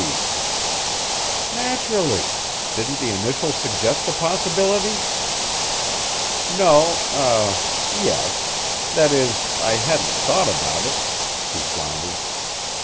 G." "Naturally. Didn't the initials suggest the possibility?" "No eh yes; that is, I hadn't thought about it," he floundered.